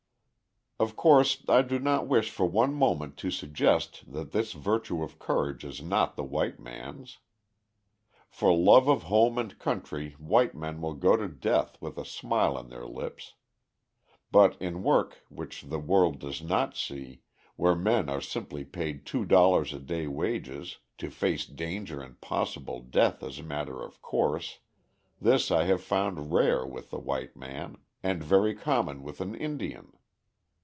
Of course I do not wish for one moment to suggest that this virtue of courage is not the white man's. For love of home and country white men will go to death with a smile on their lips. But in work which the world does not see, where men are simply paid two dollars a day wages, to face danger and possible death as a matter of course, this I have found rare with the white man, and very common with an Indian.